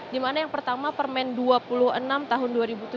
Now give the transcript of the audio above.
dimana yang pertama permen dua puluh enam tahun dua ribu tujuh belas